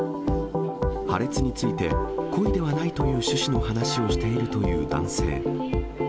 破裂について、故意ではないという趣旨の話をしているという男性。